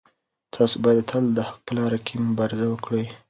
تاسو باید تل د حق په لاره کې مبارزه وکړئ.